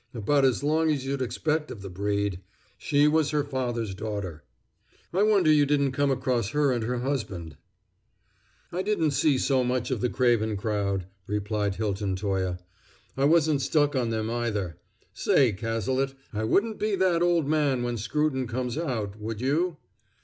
"About as long as you'd expect of the breed! She was her father's daughter. I wonder you didn't come across her and her husband!" "I didn't see so much of the Craven crowd," replied Hilton Toye. "I wasn't stuck on them either. Say, Cazalet, I wouldn't be that old man when Scruton comes out, would you?"